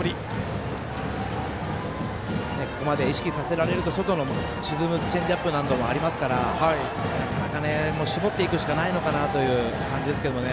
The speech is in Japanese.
ここまで意識させられると外の沈むチェンジアップなどもありますからなかなか絞っていくしかないのかなという感じですけどね。